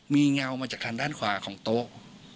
มีเงามาจากทางด้านขวาของโต๊ะ